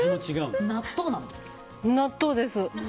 納豆です。